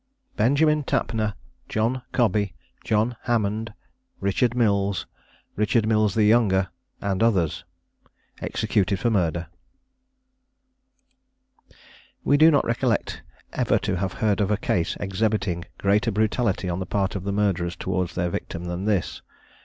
BENJAMIN TAPNER, JOHN COBBY, JOHN HAMMOND, RICHARD MILLS, RICHARD MILLS THE YOUNGER, AND OTHERS. EXECUTED FOR MURDER. We do not recollect ever to have heard of a case exhibiting greater brutality on the part of the murderers towards their victim than this.